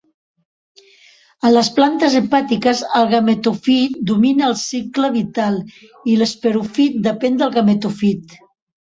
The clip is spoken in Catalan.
En les plantes hepàtiques, el gametòfit domina el cicle vital i l"esporòfit depèn del gametòfit.